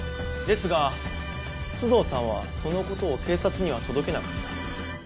ですが須藤さんはその事を警察には届けなかった。